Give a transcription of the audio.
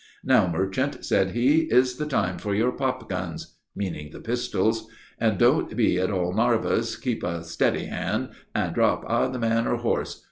"Now, merchant," said he, "is the time for your pop guns, (meaning the pistols,) and don't be at all narvous, keep a steady hand, and drop either man or horse.